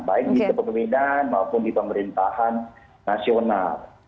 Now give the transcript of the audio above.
baik di kepemimpinan maupun di pemerintahan nasional